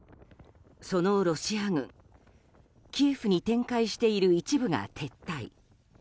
そのロシア軍キエフに展開している一部が撤退。